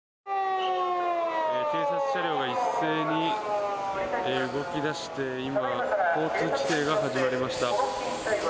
警察車両が一斉に動き出して今、交通規制が始まりました。